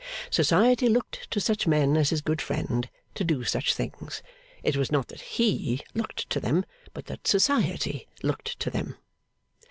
Society looked to such men as his good friend to do such things. It was not that he looked to them, but that Society looked to them.